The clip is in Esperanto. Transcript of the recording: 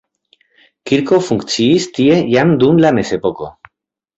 Kirko funkciis tie jam dum la mezepoko.